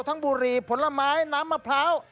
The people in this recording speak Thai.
ทั้งบุหรี่ผลไม้น้ำมะพร้าว